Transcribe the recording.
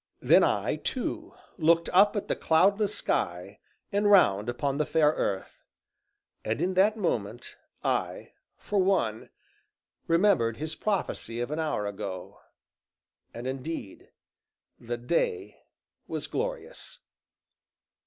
Then I, too, looked up at the cloudless sky, and round upon the fair earth; and, in that moment, I, for one, remembered his prophecy of an hour ago. And, indeed, the day was glorious.